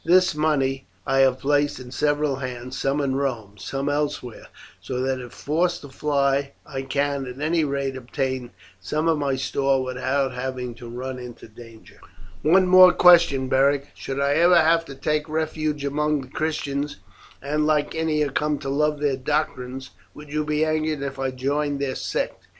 This money I have placed in several hands, some in Rome, some elsewhere, so that if forced to fly I can at any rate obtain some of my store without having to run into danger." "One more question, Beric. Should I ever have to take refuge among the Christians, and like Ennia come to love their doctrines, would you be angered if I joined their sect?